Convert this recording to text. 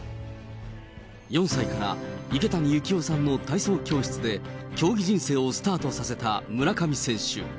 ４歳から池谷幸雄さんの体操教室で、競技人生をスタートさせた村上選手。